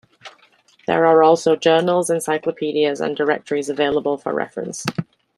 There are also journals, encyclopaedias and directories available for reference.